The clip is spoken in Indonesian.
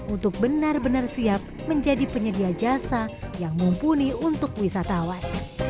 untuk benar benar siap menjadi penyedia jasa yang mumpuni untuk wisatawan